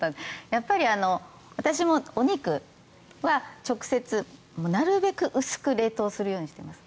やっぱり私もお肉は直接なるべく薄く冷凍するようにしてます。